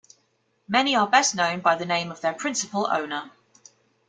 Many are best known by the name of their principal owner.